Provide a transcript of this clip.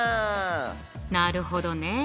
なるほどね。